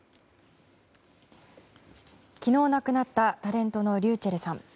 昨日亡くなったタレントのｒｙｕｃｈｅｌｌさん。